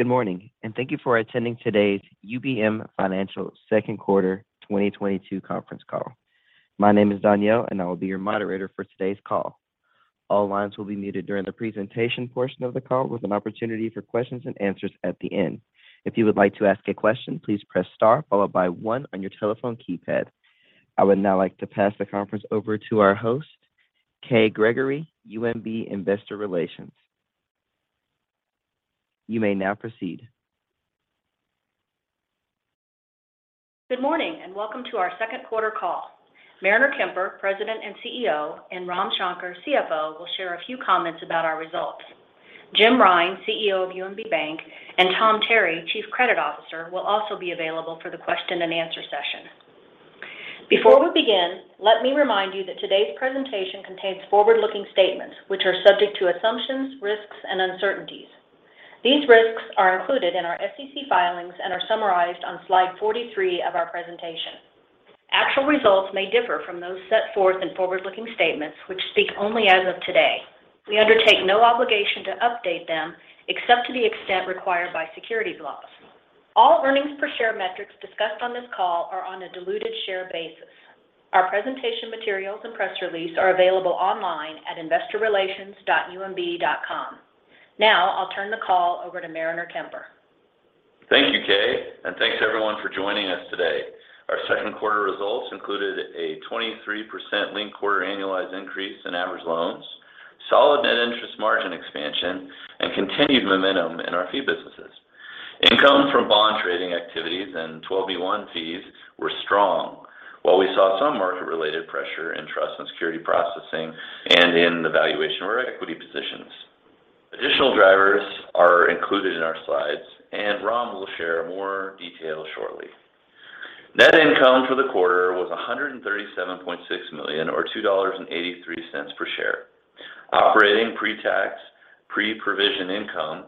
Good morning, and thank you for attending today's UMB Financial Second Quarter 2022 Conference Call. My name is Danielle, and I will be your moderator for today's call. All lines will be muted during the presentation portion of the call with an opportunity for questions and answers at the end. If you would like to ask a question, please press star followed by one on your telephone keypad. I would now like to pass the conference over to our host, Kay Gregory, UMB Investor Relations. You may now proceed. Good morning, and welcome to our second quarter call. Mariner Kemper, President and CEO, and Ram Shankar, CFO, will share a few comments about our results. Jim Rine, CEO of UMB Bank, and Tom Terry, Chief Credit Officer, will also be available for the question and answer session. Before we begin, let me remind you that today's presentation contains forward-looking statements which are subject to assumptions, risks, and uncertainties. These risks are included in our SEC filings and are summarized on slide 43 of our presentation. Actual results may differ from those set forth in forward-looking statements which speak only as of today. We undertake no obligation to update them except to the extent required by securities laws. All earnings per share metrics discussed on this call are on a diluted share basis. Our presentation materials and press release are available online at investorrelations.umb.com. Now, I'll turn the call over to Mariner Kemper. Thank you, Kay. Thanks everyone for joining us today. Our second quarter results included a 23% linked quarter annualized increase in average loans, solid net interest margin expansion, and continued momentum in our fee businesses. Income from bond trading activities and 12b-1 fees were strong. While we saw some market-related pressure in trust and security processing and in the valuation of our equity positions. Additional drivers are included in our slides, and Ram will share more detail shortly. Net income for the quarter was $137.6 million or $2.83 per share. Operating pre-tax, pre-provision income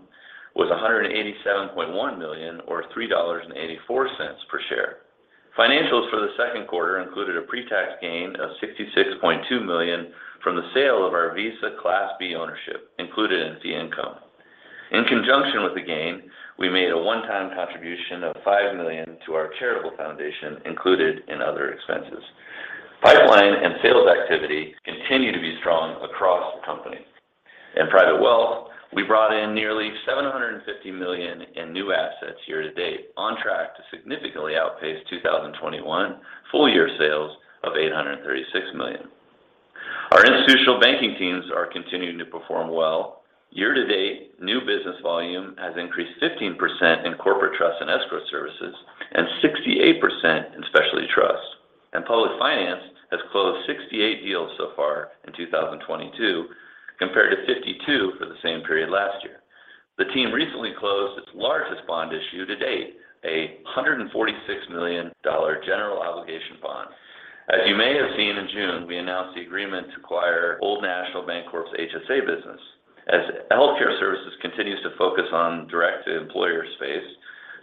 was $187.1 million or $3.84 per share. Financials for the second quarter included a pre-tax gain of $66.2 million from the sale of our Visa Class B ownership included in fee income. In conjunction with the gain, we made a one-time contribution of $5 million to our charitable foundation included in other expenses. Pipeline and sales activity continue to be strong across the company. In private wealth, we brought in nearly $750 million in new assets year to date, on track to significantly outpace 2021 full year sales of $836 million. Our institutional banking teams are continuing to perform well. Year to date, new business volume has increased 15% in corporate trust and escrow services and 68% in specialty trust. Public finance has closed 68 deals so far in 2022 compared to 52 for the same period last year. The team recently closed its largest bond issue to date, a $146 million general obligation bond. As you may have seen in June, we announced the agreement to acquire Old National Bancorp's HSA business. As healthcare services continues to focus on direct to employer space,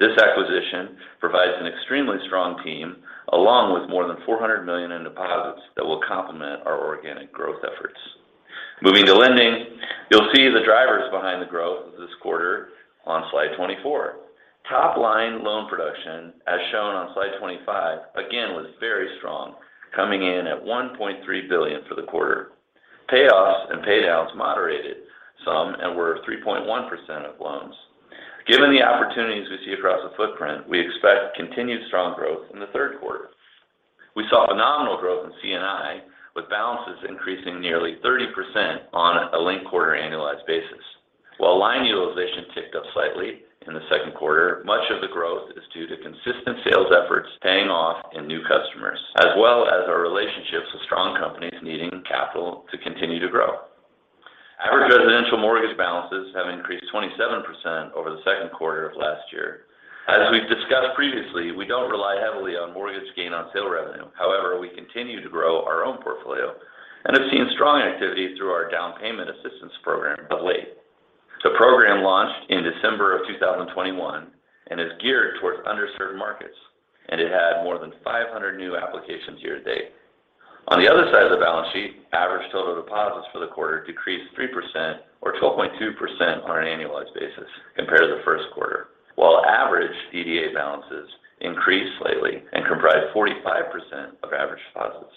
this acquisition provides an extremely strong team along with more than $400 million in deposits that will complement our organic growth efforts. Moving to lending, you'll see the drivers behind the growth this quarter on slide 24. Top line loan production as shown on slide 25, again, was very strong, coming in at $1.3 billion for the quarter. Payoffs and pay downs moderated some and were 3.1% of loans. Given the opportunities we see across the footprint, we expect continued strong growth in the third quarter. We saw phenomenal growth in C&I, with balances increasing nearly 30% on a linked quarter annualized basis. While line utilization ticked up slightly in the second quarter, much of the growth is due to consistent sales efforts paying off in new customers, as well as our relationships with strong companies needing capital to continue to grow. Average residential mortgage balances have increased 27% over the second quarter of last year. As we've discussed previously, we don't rely heavily on mortgage gain on sale revenue. However, we continue to grow our own portfolio and have seen strong activity through our down payment assistance program of late. The program launched in December 2021 and is geared towards underserved markets, and it had more than 500 new applications year to date. On the other side of the balance sheet, average total deposits for the quarter decreased 3% or 12.2% on an annualized basis compared to the first quarter. While average DDA balances increased slightly and comprised 45% of average deposits.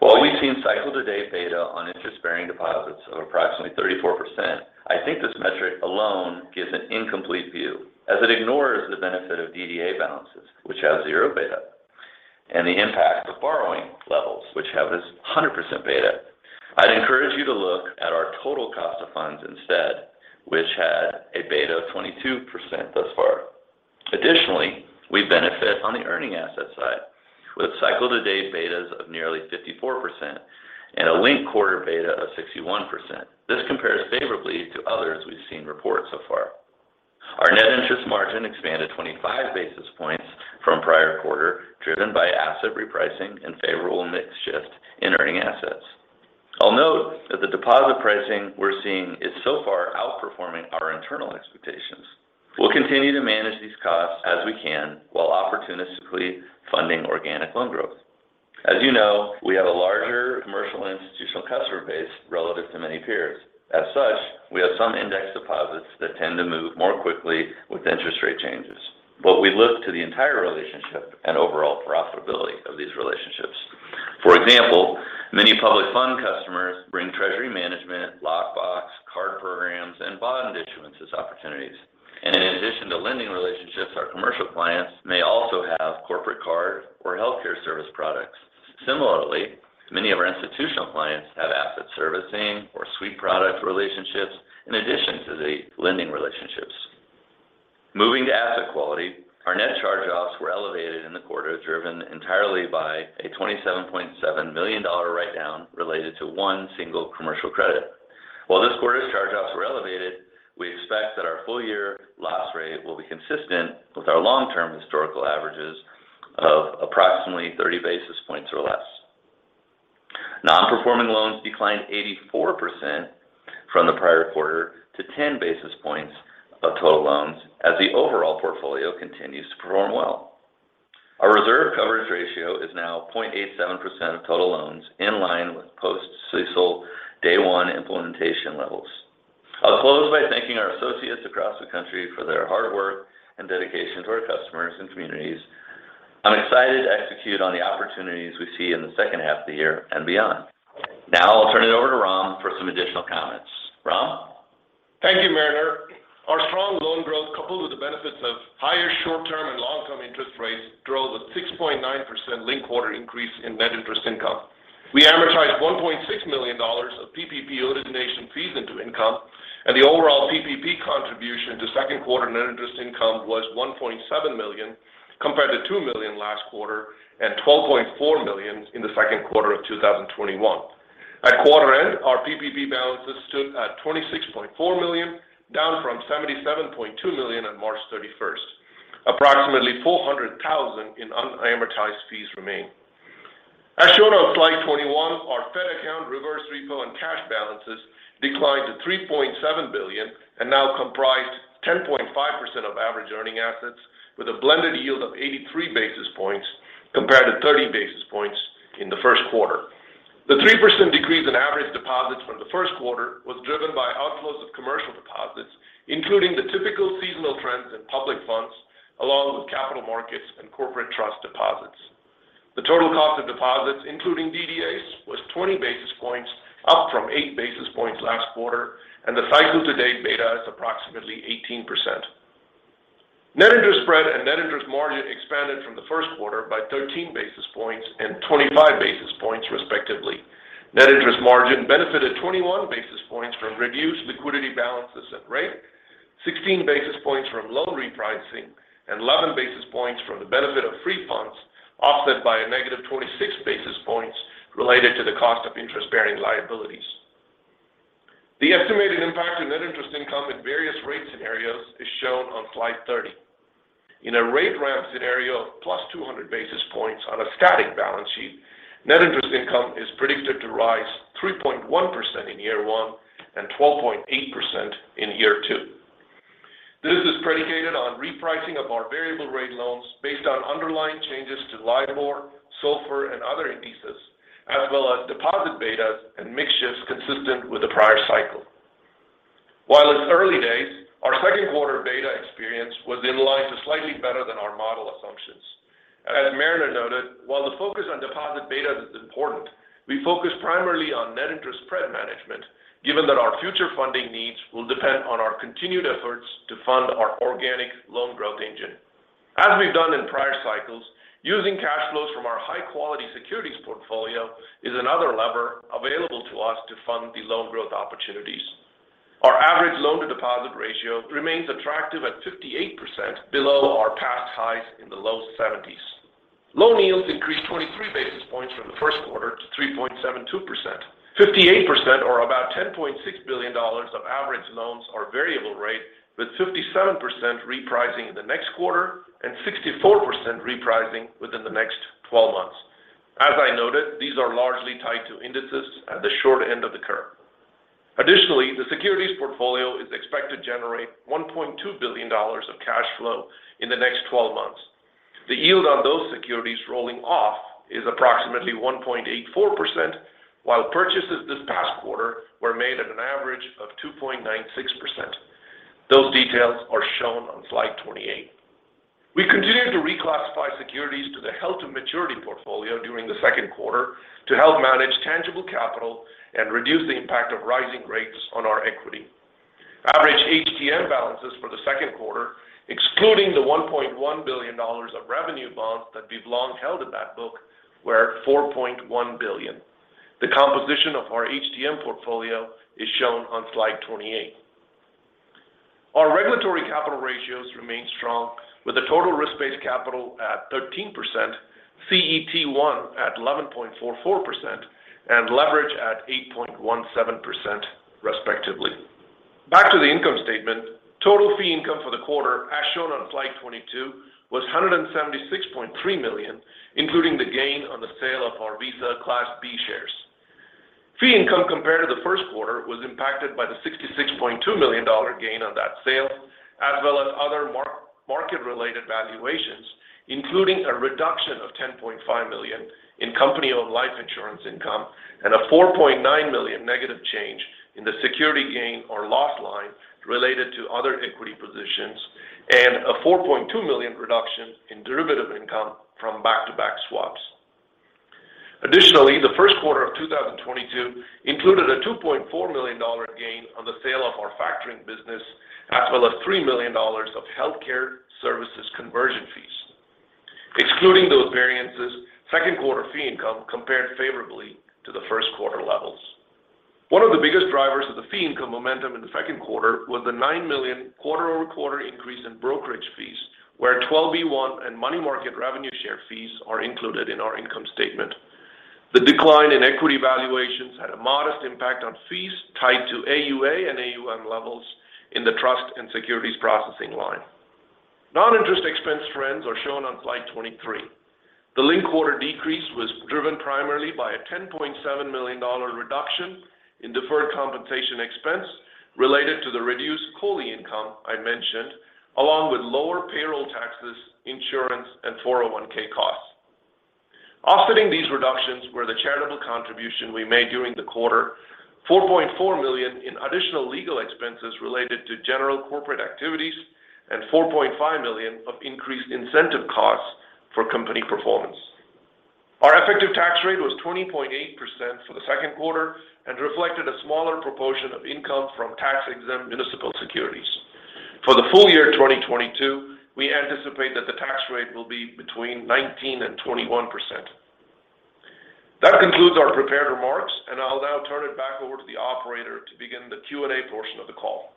While we've seen cycle to date beta on interest-bearing deposits of approximately 34%, I think this metric alone gives an incomplete view as it ignores the benefit of DDA balances, which have zero beta, and the impact of borrowing levels, which have 100% beta. I'd encourage you to look at our total cost of funds instead which had a beta of 22% thus far. Additionally, we benefit on the earning asset side with cycle to date betas of nearly 54% and a linked quarter beta of 61%. This compares favorably to others we've seen report so far. Our net interest margin expanded 25 basis points from prior quarter, driven by asset repricing and favorable mix shift in earning assets. I'll note that the deposit pricing we're seeing is so far outperforming our internal expectations. We'll continue to manage these costs as we can while opportunistically funding organic loan growth. As you know, we have a loan-to-deposit ratio lower than many peers. As such, we have some index deposits that tend to move more quickly with interest rate changes. We look to the entire relationship and overall profitability of these relationships. For example, many public fund customers bring treasury management, lockbox, card programs, and bond issuances opportunities. In addition to lending relationships, our commercial clients may also have corporate card or healthcare service products. Similarly, many of our institutional clients have asset servicing or suite product relationships in addition to the lending relationships. Moving to asset quality, our net charge-offs were elevated in the quarter, driven entirely by a $27.7 million write-down related to one single commercial credit. While this quarter's charge-offs were elevated, we expect that our full year loss rate will be consistent with our long-term historical averages of approximately 30 basis points or less. Non-performing loans declined 84% from the prior quarter to 10 basis points of total loans as the overall portfolio continues to perform well. Our reserve coverage ratio is now 0.87% of total loans, in line with post CECL day one implementation levels. I'll close by thanking our associates across the country for their hard work and dedication to our customers and communities. I'm excited to execute on the opportunities we see in the second half of the year and beyond. Now I'll turn it over to Ram for some additional comments. Ram? Thank you, Mariner. Our strong loan growth, coupled with the benefits of higher short-term and long-term interest rates, drove a 6.9% linked-quarter increase in net interest income. We amortized $1.6 million of PPP origination fees into income, and the overall PPP contribution to second quarter net interest income was $1.7 million, compared to $2 million last quarter and $12.4 million in the second quarter of 2021. At quarter end, our PPP balances stood at $26.4 million, down from $77.2 million on March 31. Approximately $400,000 in unamortized fees remain. As shown on slide 21, our Fed account reverse repo and cash balances declined to $3.7 billion and now comprise 10.5% of average earning assets with a blended yield of 83 basis points compared to 30 basis points in the first quarter. The 3% decrease in average deposits from the first quarter was driven by outflows of commercial deposits, including the typical seasonal trends in public funds, along with capital markets and corporate trust deposits. The total cost of deposits, including DDAs, was 20 basis points, up from 8 basis points last quarter, and the cycle-to-date beta is approximately 18%. Net interest spread and net interest margin expanded from the first quarter by 13 basis points and 25 basis points, respectively. Net interest margin benefited 21 basis points from reduced liquidity balances and rate, 16 basis points from loan repricing, and 11 basis points from the benefit of free funds, offset by a negative 26 basis points related to the cost of interest-bearing liabilities. The estimated impact of net interest income at various rate scenarios is shown on slide 30. In a rate ramp scenario of +200 basis points on a static balance sheet, net interest income is predicted to rise 3.1% in year one and 12.8% in year two. This is predicated on repricing of our variable rate loans based on underlying changes to LIBOR, SOFR, and other indices, as well as deposit betas and mix shifts consistent with the prior cycle. While it's early days, our second quarter beta experience was in line to slightly better than our model assumptions. As Mariner noted, while the focus on deposit beta is important, we focus primarily on net interest spread management, given that our future funding needs will depend on our continued efforts to fund our organic loan growth engine. As we've done in prior cycles, using cash flows from our high-quality securities portfolio is another lever available to us to fund the loan growth opportunities. Our average loan-to-deposit ratio remains attractive at 58% below our past highs in the low 70s. Loan yields increased 23 basis points from the first quarter to 3.72%. 58% or about $10.6 billion of average loans are variable rate, with 57% repricing in the next quarter and 64% repricing within the next twelve months. As I noted, these are largely tied to indices at the short end of the curve. Additionally, the securities portfolio is expected to generate $1.2 billion of cash flow in the next twelve months. The yield on those securities rolling off is approximately 1.84%, while purchases this past quarter were made at an average of 2.96%. Those details are shown on slide 28. We continued to reclassify securities to the held-to-maturity portfolio during the second quarter to help manage tangible capital and reduce the impact of rising rates on our equity. Average HTM balances for the second quarter, excluding the $1.1 billion of revenue bonds that we've long held in that book, were $4.1 billion. The composition of our HTM portfolio is shown on slide 28. Our regulatory capital ratios remain strong with the Total Risk-Based Capital at 13%, CET1 at 11.44%, and leverage at 8.17%, respectively. Back to the income statement. Total fee income for the quarter, as shown on slide 22, was $176.3 million, including the gain on the sale of our Visa Class B shares. Fee income compared to the first quarter was impacted by the $66.2 million dollar gain on that sale. As well as other mark-to-market related valuations, including a reduction of $10.5 million in company-owned life insurance income and a $4.9 million negative change in the securities gain or loss line related to other equity positions and a $4.2 million reduction in derivative income from back-to-back swaps. Additionally, the first quarter of 2022 included a $2.4 million gain on the sale of our factoring business, as well as $3 million of healthcare services conversion fees. Excluding those variances, second quarter fee income compared favorably to the first quarter levels. One of the biggest drivers of the fee income momentum in the second quarter was the $9 million quarter-over-quarter increase in brokerage fees, where 12b-1 and money market revenue share fees are included in our income statement. The decline in equity valuations had a modest impact on fees tied to AUA and AUM levels in the trust and securities processing line. Non-interest expense trends are shown on slide 23. The linked quarter decrease was driven primarily by a $10.7 million reduction in deferred compensation expense related to the reduced COLI income I mentioned, along with lower payroll taxes, insurance, and 401(k) costs. Offsetting these reductions were the charitable contribution we made during the quarter, $4.4 million in additional legal expenses related to general corporate activities, and $4.5 million of increased incentive costs for company performance. Our effective tax rate was 20.8% for the second quarter and reflected a smaller proportion of income from tax-exempt municipal securities. For the full year 2022, we anticipate that the tax rate will be between 19% and 21%. That concludes our prepared remarks, and I'll now turn it back over to the operator to begin the Q&A portion of the call.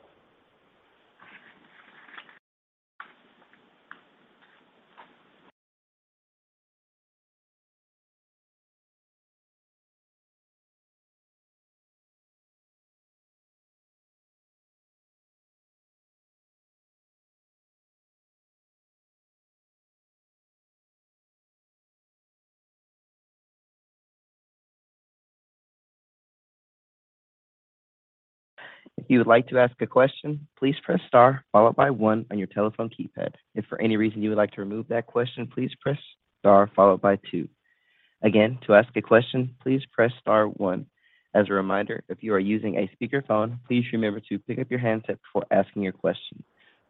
If you would like to ask a question, please press star followed by one on your telephone keypad. If for any reason you would like to remove that question, please press star followed by two. Again, to ask a question, please press star one. As a reminder, if you are using a speakerphone, please remember to pick up your handset before asking your question.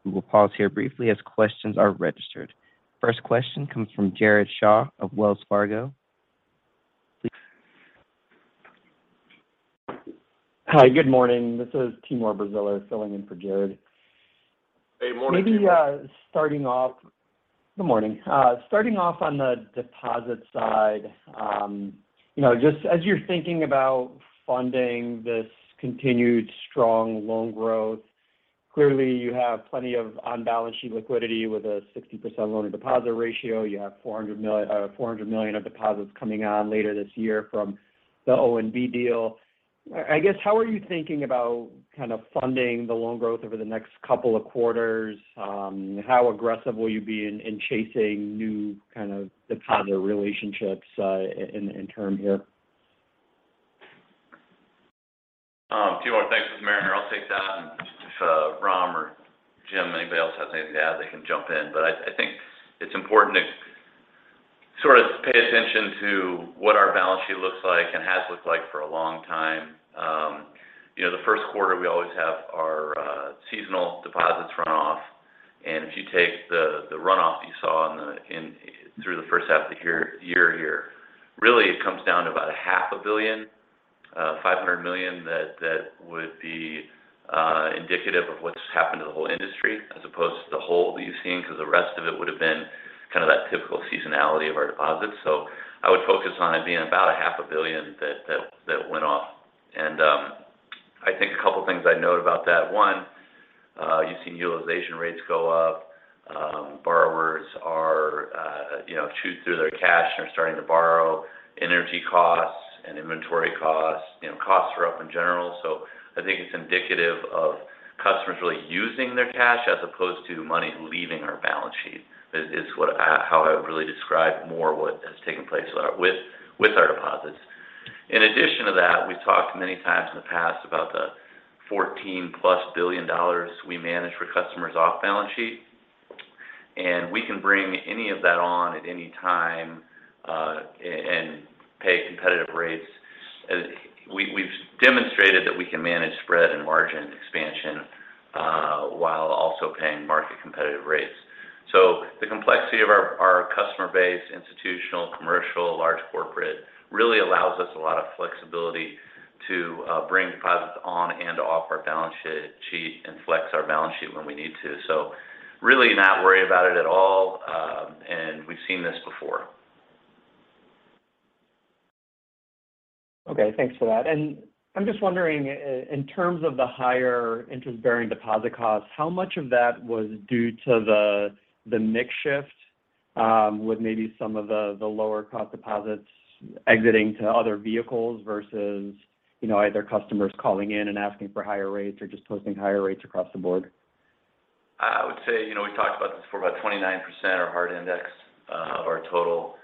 We will pause here briefly as questions are registered. First question comes from Jared Shaw of Wells Fargo. Please. Hi. Good morning. This is Timur Braziler filling in for Jared. Hey, morning, Timur. Good morning. Starting off on the deposit side, you know, just as you're thinking about funding this continued strong loan growth, clearly you have plenty of on-balance sheet liquidity with a 60% loan-to-deposit ratio. You have $400 million of deposits coming on later this year from the ONB deal. I guess, how are you thinking about kind of funding the loan growth over the next couple of quarters? How aggressive will you be in chasing new kind of depositor relationships, in the near term here? Timur, thanks. This is Mariner. I'll take that, and if Ram or Jim, anybody else has anything to add, they can jump in. I think it's important to sort of pay attention to what our balance sheet looks like and has looked like for a long time. The first quarter, we always have our seasonal deposits run off. If you take the runoff you saw through the first half of the year here, really it comes down to about a half a billion, $500 million that would be indicative of what's happened to the whole industry as opposed to the whole that you've seen, because the rest of it would have been kind of that typical seasonality of our deposits. I would focus on it being about half a billion that went off. I think a couple of things I'd note about that. One, you've seen utilization rates go up. Borrowers are, you know, chewing through their cash and are starting to borrow. Energy costs and inventory costs. You know, costs are up in general. I think it's indicative of customers really using their cash as opposed to money leaving our balance sheet, is how I would really describe more what has taken place with our deposits. In addition to that, we've talked many times in the past about the $14+ billion we manage for customers off balance sheet. We can bring any of that on at any time and pay competitive rates. We've demonstrated that we can manage spread and margin expansion while also paying market competitive rates. The complexity of our customer base, institutional, commercial, large corporate, really allows us a lot of flexibility to bring deposits on and off our balance sheet and flex our balance sheet when we need to. Really not worried about it at all, and we've seen this before. Okay. Thanks for that. I'm just wondering in terms of the higher interest-bearing deposit costs, how much of that was due to the mix shift, with maybe some of the lower cost deposits exiting to other vehicles versus, you know, either customers calling in and asking for higher rates or just posting higher rates across the board? I would say, you know, we talked about this for about 29%, our hard index, of our total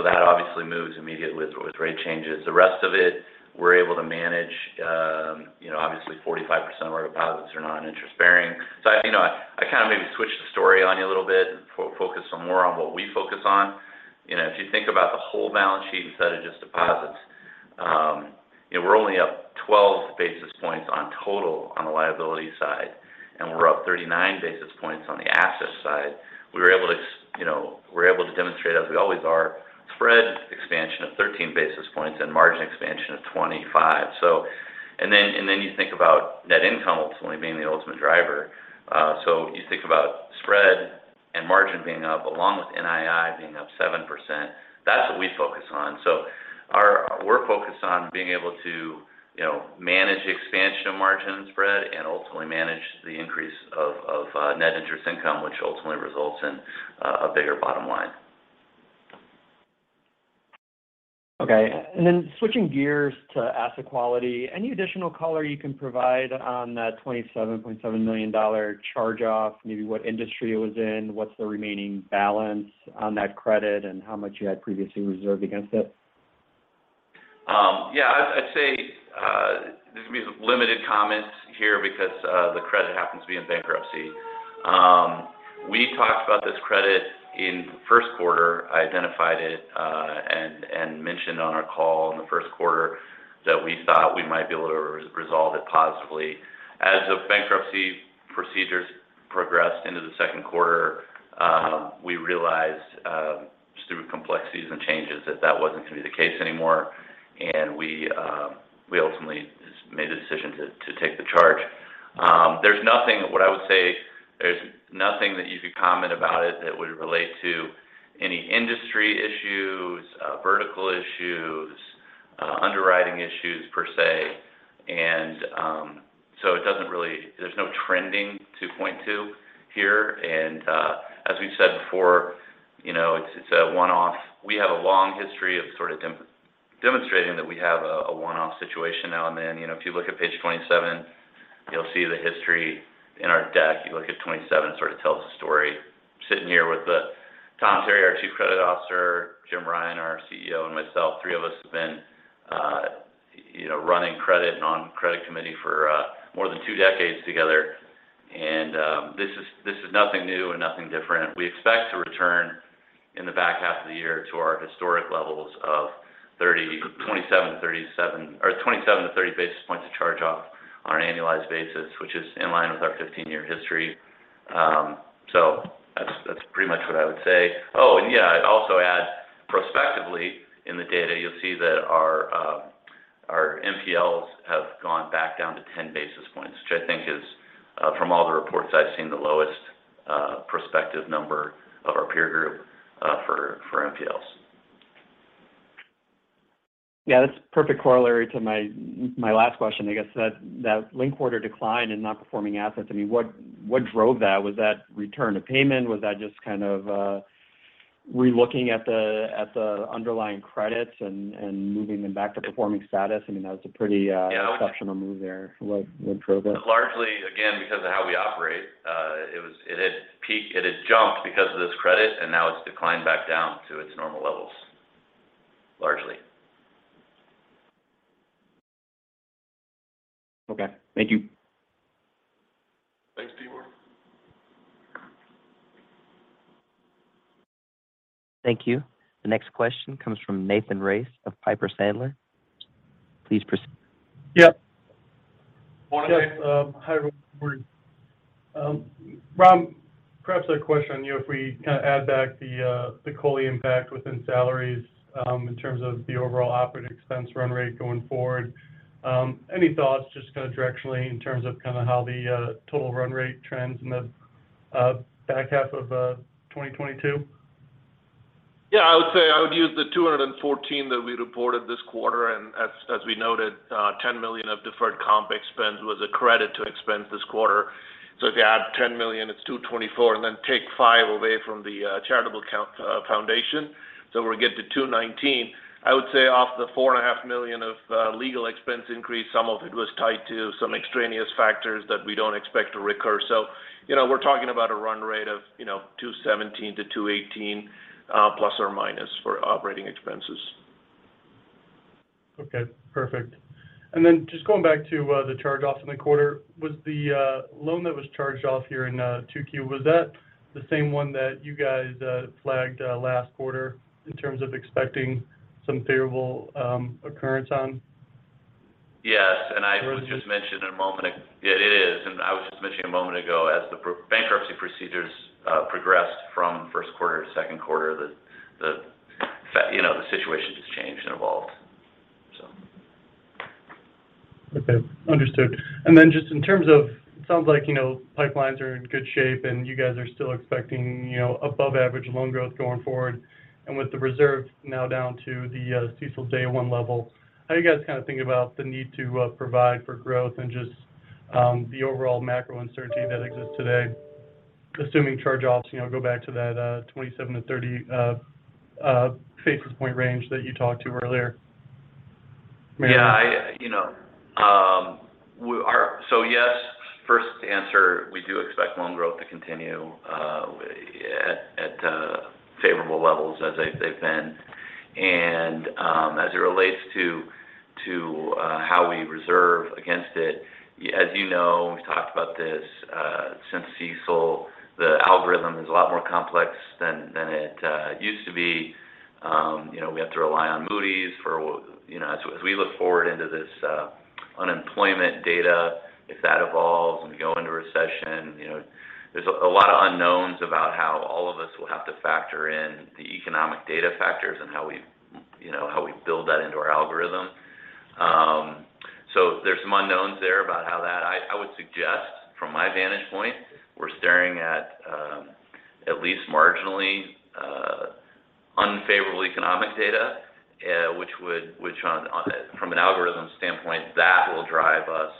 That obviously moves immediately with rate changes. The rest of it, we're able to manage, you know, obviously 45% of our deposits are non-interest-bearing. I, you know, kinda maybe switch the story on you a little bit and focus some more on what we focus on. You know, if you think about the whole balance sheet instead of just deposits, and we're only up 12 basis points on total on the liability side, and we're up 39 basis points on the asset side. You know, we're able to demonstrate, as we always are, spread expansion of 13 basis points and margin expansion of 25 basis points. You think about net income ultimately being the ultimate driver. you think about spread and margin being up along with NII being up 7%, that's what we focus on. We're focused on being able to, you know, manage expansion of margin spread and ultimately manage the increase of net interest income, which ultimately results in a bigger bottom line. Okay. Switching gears to asset quality. Any additional color you can provide on that $27.7 million charge-off, maybe what industry it was in? What's the remaining balance on that credit, and how much you had previously reserved against it? Yeah. I'd say there's gonna be limited comments here because the credit happens to be in bankruptcy. We talked about this credit in first quarter. Identified it and mentioned on our call in the first quarter that we thought we might be able to resolve it positively. As the bankruptcy procedures progressed into the second quarter, we realized just through complexities and changes that that wasn't gonna be the case anymore. We ultimately just made a decision to take the charge. What I would say, there's nothing that you could comment about it that would relate to any industry issues, vertical issues, underwriting issues per se. It doesn't really. There's no trending to point to here. As we've said before, you know, it's a one-off. We have a long history of sort of demonstrating that we have a one-off situation now and then. You know, if you look at page 27, you'll see the history in our deck. You look at 27, sort of tells the story. Sitting here with Tom Terry, our Chief Credit Officer, Jim Rine, our CEO, and myself, three of us have been, you know, running credit and on credit committee for more than two decades together. This is nothing new and nothing different. We expect to return in the back half of the year to our historic levels of 27-37 or 27-30 basis points of charge-off on an annualized basis, which is in line with our 15-year history. That's pretty much what I would say. Oh, yeah, I'd also add prospectively in the data, you'll see that our NPLs have gone back down to 10 basis points, which I think is from all the reports I've seen, the lowest prospective number of our peer group, for NPLs. Yeah. That's a perfect corollary to my last question, I guess. That linked quarter decline in non-performing assets, I mean, what drove that? Was that return to payment? Was that just kind of re-looking at the underlying credits and moving them back to performing status? I mean, that was a pretty Yeah exceptional move there. What drove it? Largely, again, because of how we operate, it had jumped because of this credit, and now it's declined back down to its normal levels, largely. Okay. Thank you. Thanks, Timur. Thank you. The next question comes from Nathan Race of Piper Sandler. Please proceed. Yeah. Morning, Nate. Yes, hi, everybody. Ram, perhaps a question on you. If we kinda add back the COLI impact within salaries, in terms of the overall operating expense run rate going forward, any thoughts just kinda directionally in terms of kinda how the total run rate trends in the back half of 2022? Yeah. I would say I would use the $214 million that we reported this quarter. As we noted, $10 million of deferred comp expense was a credit to expense this quarter. If you add $10 million, it's $224 million, and then take $5 million away from the charitable contribution foundation. We get to $219 million. I would say off the $4.5 million of legal expense increase, some of it was tied to some extraneous factors that we don't expect to recur. You know, we're talking about a run rate of, you know, $217 million-$218 million plus or minus for operating expenses. Okay. Perfect. Just going back to the charge-offs in the quarter. Was the loan that was charged off here in 2Q the same one that you guys flagged last quarter in terms of expecting some payoff occurrence on? Yes. I was just mentioning a moment ago. Was- Yeah, it is. I was just mentioning a moment ago, as the bankruptcy procedures progressed from first quarter to second quarter, the you know, the situation just changed and evolved, so. Okay. Understood. Just in terms of it sounds like, you know, pipelines are in good shape, and you guys are still expecting, you know, above average loan growth going forward. With the reserve now down to the CECL day one level, how are you guys kind of thinking about the need to provide for growth and just the overall macro uncertainty that exists today, assuming charge-offs, you know, go back to that 27-30 basis point range that you talked to earlier? Yes, first answer, we do expect loan growth to continue at favorable levels as they've been. As it relates to how we reserve against it, as you know, we've talked about this since CECL, the algorithm is a lot more complex than it used to be. You know, we have to rely on Moody's for, you know, as we look forward into this unemployment data, if that evolves and we go into recession, you know, there's a lot of unknowns about how all of us will have to factor in the economic data factors and how we, you know, how we build that into our algorithm. So there's some unknowns there about how that. I would suggest from my vantage point, we're staring at least marginally unfavorable economic data, which, on a from an algorithm standpoint, that will drive us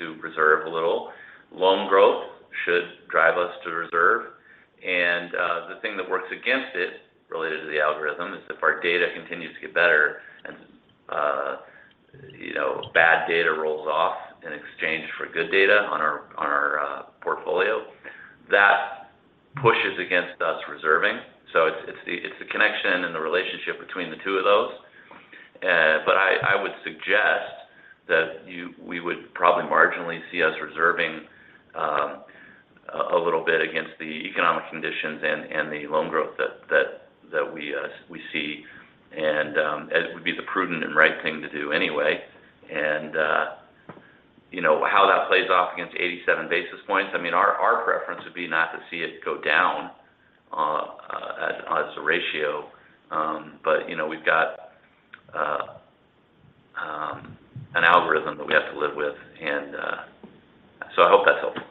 to reserve a little. Loan growth should drive us to reserve. The thing that works against it related to the algorithm is if our data continues to get better and you know, bad data rolls off in exchange for good data on our portfolio, that pushes against us reserving. It's the connection and the relationship between the two of those. I would suggest that we would probably marginally see us reserving a little bit against the economic conditions and the loan growth that we see. As would be the prudent and right thing to do anyway. You know, how that plays off against 87 basis points, I mean, our preference would be not to see it go down, as a ratio. You know, we've got an algorithm that we have to live with. I hope that's helpful.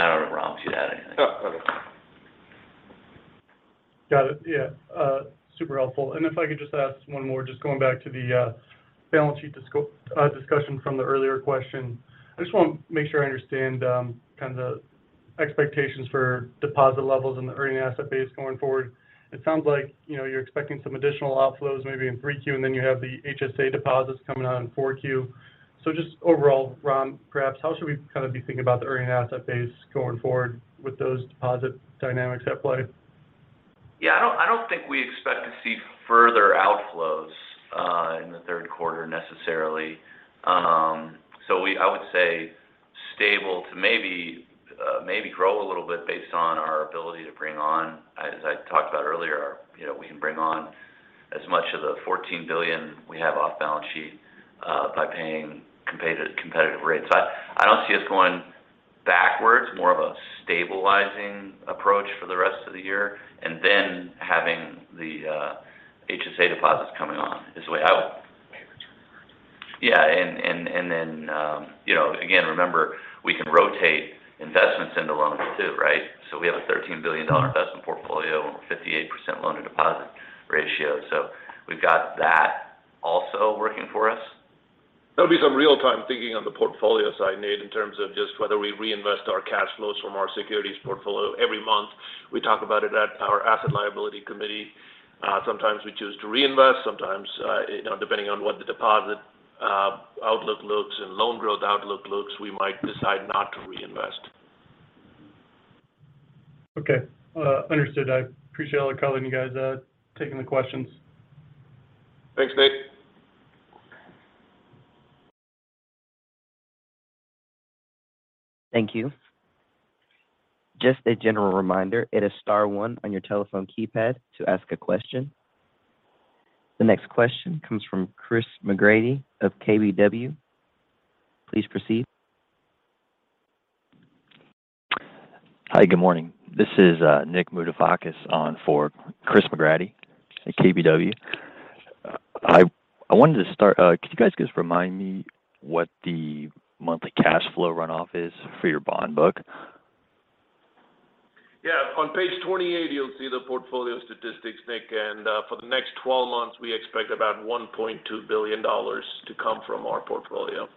I don't know, Ram, if you'd add anything. Oh, okay. Got it. Yeah. Super helpful. If I could just ask one more, just going back to the balance sheet discussion from the earlier question. I just want to make sure I understand kind of the expectations for deposit levels and the earning asset base going forward. It sounds like, you know, you're expecting some additional outflows maybe in 3Q, and then you have the HSA deposits coming out in 4Q. Just overall, Ram, perhaps how should we kind of be thinking about the earning asset base going forward with those deposit dynamics at play? Yeah. I don't think we expect to see further outflows in the third quarter necessarily. I would say stable to maybe grow a little bit based on our ability to bring on, as I talked about earlier, you know, we can bring on as much of the $14 billion we have off balance sheet by paying competitive rates. I don't see us going backwards, more of a stabilizing approach for the rest of the year and then having the HSA deposits coming on is the way I would. Wait for two more minutes. You know, again, remember, we can rotate investments into loans too, right? We have a $13 billion investment portfolio and we're 58% loan-to-deposit ratio. We've got that also working for us. There'll be some real time thinking on the portfolio side, Nate, in terms of just whether we reinvest our cash flows from our securities portfolio every month. We talk about it at our Asset-Liability Committee. Sometimes we choose to reinvest, sometimes, you know, depending on what the deposit outlook looks and loan growth outlook looks, we might decide not to reinvest. Okay. Understood. I appreciate all the calling you guys, taking the questions. Thanks, Nate. Thank you. Just a general reminder, it is star one on your telephone keypad to ask a question. The next question comes from Chris McGratty of KBW. Please proceed. Hi. Good morning. This is Nick Moutafakis on for Chris McGratty at KBW. I wanted to start, could you guys just remind me what the monthly cash flow runoff is for your bond book? Yeah. On page 28, you'll see the portfolio statistics, Nick. For the next 12 months, we expect about $1.2 billion to come from our portfolio.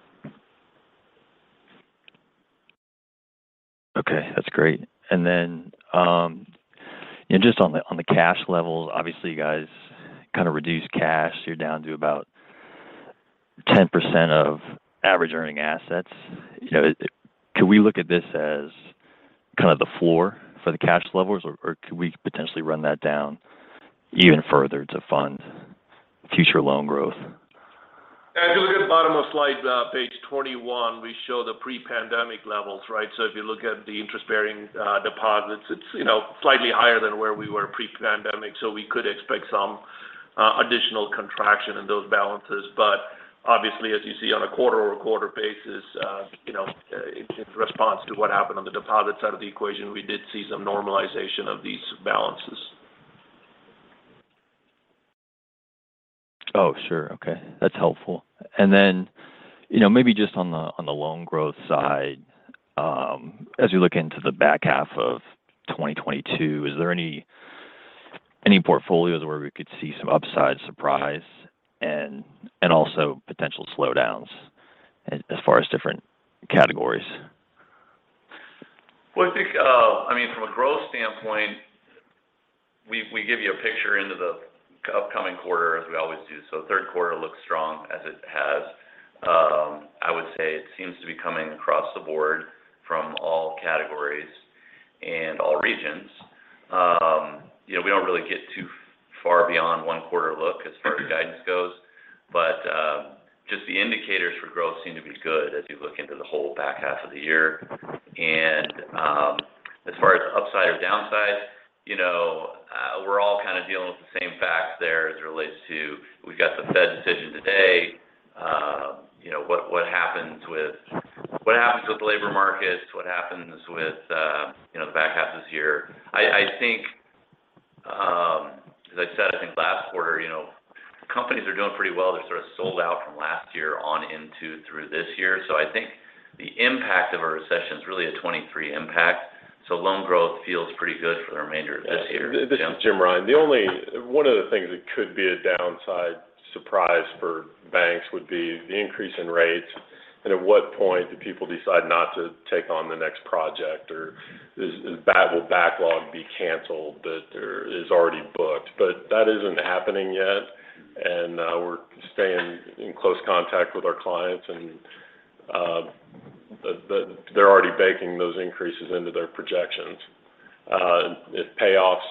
Okay. That's great. Just on the cash levels, obviously, you guys kind of reduced cash. You're down to about 10% of average earning assets. You know, could we look at this as kind of the floor for the cash levels, or could we potentially run that down even further to fund future loan growth? If you look at bottom of slide, page 21, we show the pre-pandemic levels, right? If you look at the interest-bearing deposits, it's, you know, slightly higher than where we were pre-pandemic. We could expect some additional contraction in those balances. Obviously, as you see on a quarter-over-quarter basis, you know, in response to what happened on the deposit side of the equation, we did see some normalization of these balances. Oh, sure. Okay. That's helpful. You know, maybe just on the loan growth side, as we look into the back half of 2022, is there any portfolios where we could see some upside surprise and also potential slowdowns as far as different categories? Well, I think, I mean, from a growth standpoint, we give you a picture into the upcoming quarter as we always do. Third quarter looks strong as it has. I would say it seems to be coming across the board from all categories and all regions. You know, we don't really get too far beyond one quarter look as far as guidance goes. Just the indicators for growth seem to be good as we look into the whole back half of the year. As far as upside or downside, you know, we're all kind of dealing with the same facts there as it relates to we've got the Fed decision today. You know, what happens with labor markets, what happens with, you know, the back half of this year. I think, as I said, I think last quarter, you know, companies are doing pretty well. They're sort of sold out from last year on into through this year. I think the impact of a recession is really a 2023 impact. Loan growth feels pretty good for the remainder of this year. Yeah. This is Jim Rine. The only one of the things that could be a downside surprise for banks would be the increase in rates and at what point do people decide not to take on the next project or will the backlog that is already booked be canceled. That isn't happening yet, and we're staying in close contact with our clients, and they're already baking those increases into their projections. If payoffs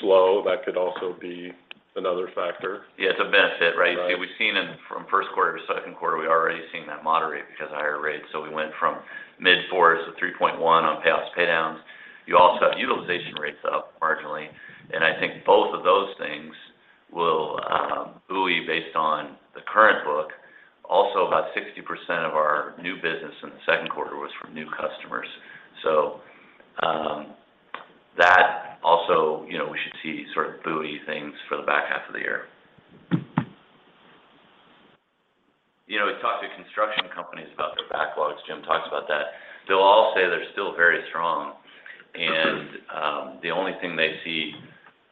slow, that could also be another factor. Yeah. It's a benefit, right? Right. We've seen from first quarter to second quarter, we're already seeing that moderate because of higher rates. We went from mid-4-3.1 on payoffs pay downs. You also have utilization rates up marginally. I think both of those things will buoy based on the current book. Also, about 60% of our new business in the second quarter was from new customers. That also, you know, we should see sort of buoy things for the back half of the year. You know, we talked to construction companies about their backlogs. Jim talks about that. They'll all say they're still very strong. Mm-hmm. The only thing they see,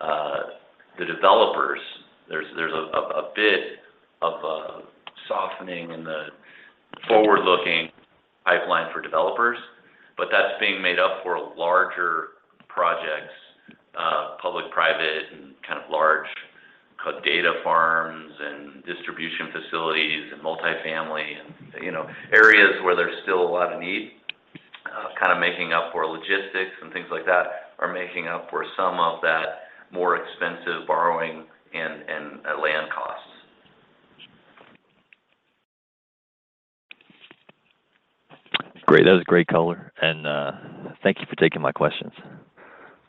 the developers. There's a bit of softening in the forward-looking pipeline for developers, but that's being made up for larger projects, public/private and kind of large data farms and distribution facilities and multifamily and, you know, areas where there's still a lot of need, kind of making up for logistics and things like that are making up for some of that more expensive borrowing and land costs. Great. That was great color. Thank you for taking my questions.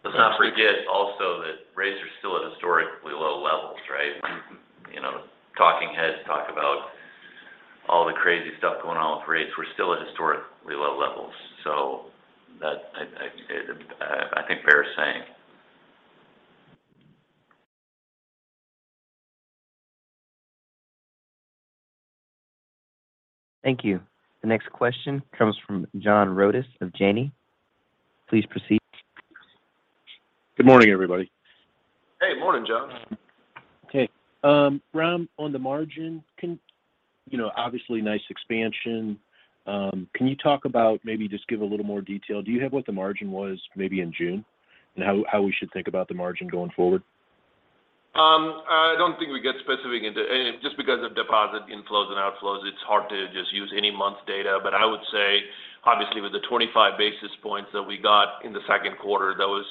Let's not forget also that rates are still at historically low levels, right? Mm-hmm. You know, the talking heads talk about all the crazy stuff going on with rates. We're still at historically low levels. I think bear is saying. Thank you. The next question comes from Jon Arfstrom of Janney. Please proceed. Good morning, everybody. Hey. Morning, Jon. Okay. Ram, on the margin, you know, obviously nice expansion. Can you talk about maybe just give a little more detail? Do you have what the margin was maybe in June? How we should think about the margin going forward? I don't think we get specific, and just because of deposit inflows and outflows, it's hard to just use any month data. I would say, obviously with the 25 basis points that we got in the second quarter, that was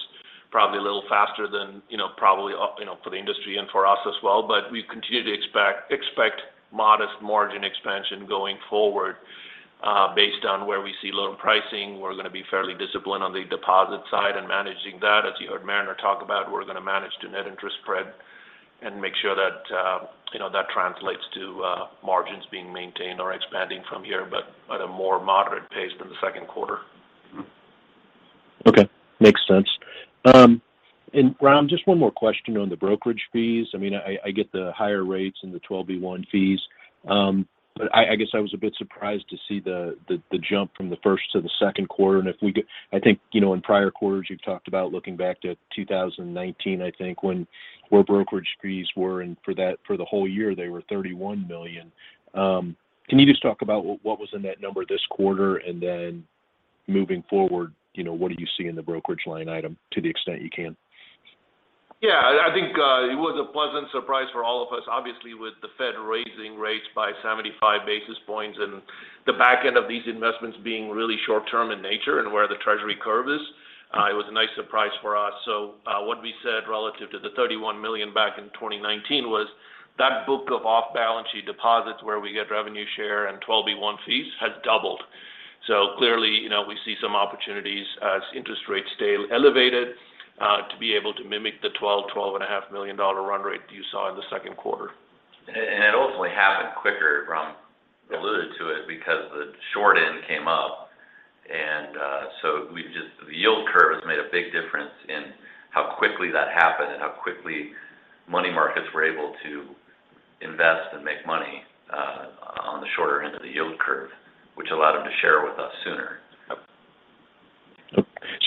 probably a little faster than, you know, probably up, you know, for the industry and for us as well. We continue to expect modest margin expansion going forward, based on where we see loan pricing. We're gonna be fairly disciplined on the deposit side and managing that. As you heard Mariner talk about, we're gonna manage the net interest spread and make sure that, you know, that translates to margins being maintained or expanding from here, but at a more moderate pace than the second quarter. Okay. Makes sense. Ram, just one more question on the brokerage fees. I mean, I get the higher rates and the 12b-1 fees. I guess I was a bit surprised to see the jump from the first to the second quarter. I think, you know, in prior quarters, you've talked about looking back to 2019, I think, where brokerage fees were, for the whole year, they were $31 million. Can you just talk about what was in that number this quarter? Moving forward, you know, what do you see in the brokerage line item to the extent you can? Yeah. I think it was a pleasant surprise for all of us. Obviously, with the Fed raising rates by 75 basis points and the back end of these investments being really short term in nature and where the treasury curve is, it was a nice surprise for us. What we said relative to the $31 million back in 2019 was that book of off-balance sheet deposits where we get revenue share and 12b-1 fees has doubled. Clearly, you know, we see some opportunities as interest rates stay elevated, to be able to mimic the $12 million-$12.5 million run rate you saw in the second quarter. It ultimately happened quicker, Ram alluded to it, because the short end came up. The yield curve has made a big difference in how quickly that happened and how quickly money markets were able to invest and make money on the shorter end of the yield curve, which allowed them to share with us sooner.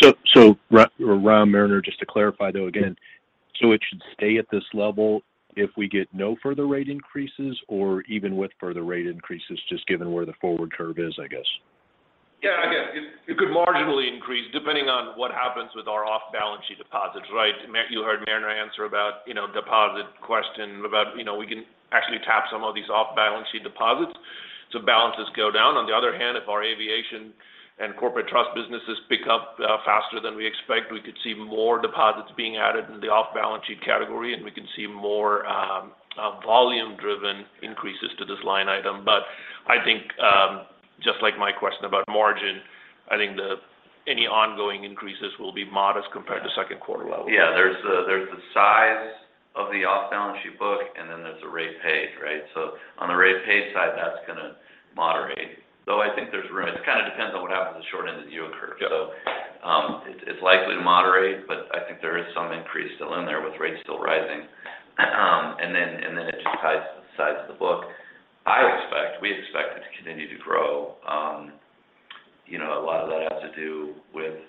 Yep. Ram, Mariner, just to clarify, though, again. It should stay at this level if we get no further rate increases or even with further rate increases just given where the forward curve is, I guess? Yeah. Again, it could marginally increase depending on what happens with our off-balance sheet deposits, right? You heard Mariner answer about, you know, deposit question about, you know, we can actually tap some of these off-balance sheet deposits. So balances go down. On the other hand, if our aviation and corporate trust businesses pick up faster than we expect, we could see more deposits being added in the off-balance sheet category, and we can see more volume driven increases to this line item. I think, just like my question about margin, I think any ongoing increases will be modest compared to second quarter levels. Yeah. There's the size of the off-balance sheet book, and then there's the rate paid, right? On the rate paid side, that's gonna moderate. I think there's room. It kind of depends on what happens at the short end of the yield curve. Yeah. It's likely to moderate, but I think there is some increase still in there with rates still rising. It just ties to the size of the book. We expect it to continue to grow. You know, a lot of that has to do with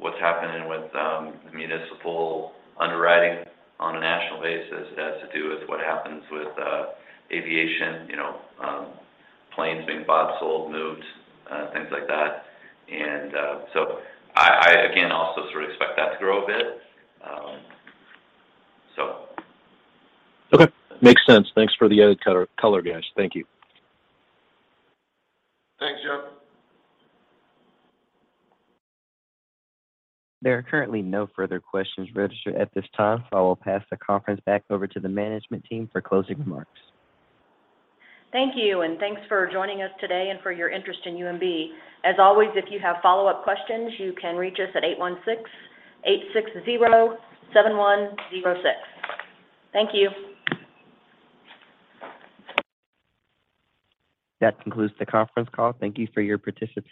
what's happening with the municipal underwriting on a national basis. It has to do with what happens with aviation, you know, planes being bought, sold, moved, things like that. I again also sort of expect that to grow a bit. Okay. Makes sense. Thanks for the added color, guys. Thank you. Thanks, Jon Arfstrom. There are currently no further questions registered at this time, so I will pass the conference back over to the management team for closing remarks. Thank you, and thanks for joining us today and for your interest in UMB. As always, if you have follow-up questions, you can reach us at 816-860-7106. Thank you. That concludes the conference call. Thank you for your participation.